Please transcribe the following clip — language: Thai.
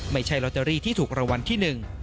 ไม่ใช่ลอตเตอรี่ที่ถูกรางวัลที่๑